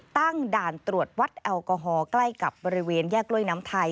ตั้งด่านตรวจวัดแอลกอฮอล์ใกล้กับบริเวณแยกกล้วยน้ำไทย